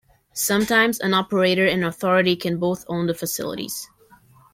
Sometimes, an operator and authority can both own the facilities.